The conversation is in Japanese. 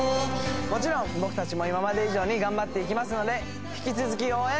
もちろん僕たちも今まで以上に頑張っていきますので引き続き応援。